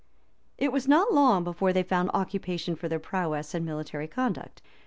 512] It was not long before they found occupation for their prowess and military conduct.